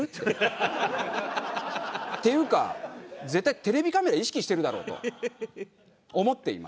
っていうか絶対テレビカメラ意識してるだろと思っています。